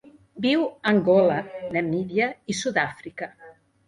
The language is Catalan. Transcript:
Viu a Angola, Namíbia i Sud-àfrica.